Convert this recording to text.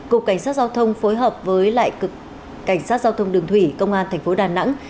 cục cảnh sát giao thông phối hợp với lại cảnh sát giao thông đường thủy công an thành phố đà nẵng